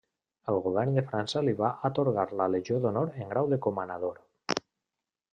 El Govern de França li va atorgar la Legió d'Honor en grau de comanador.